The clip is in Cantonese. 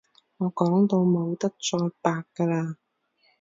我講到冇得再白㗎喇